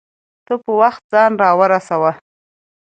ته په وخت ځان راورسوه